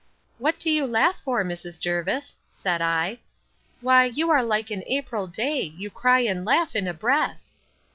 What do you laugh for, Mrs. Jervis? said I.—Why you are like an April day; you cry and laugh in a breath.